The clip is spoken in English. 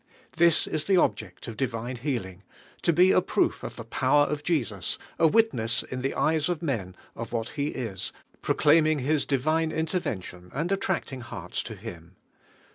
This is the oJbject of divine healing; to be a proof of the power of Jesus, a witness in the eyes of men of what He is, proclaiming His di vine intervention, and attracting hearts to Him.